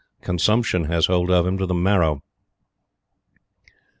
Consumption has hold of him to the marrow."